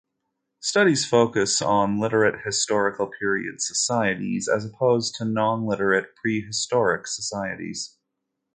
Studies focus on literate, historical-period societies as opposed to non-literate, prehistoric societies.